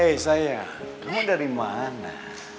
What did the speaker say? hei sayang kamu dari mana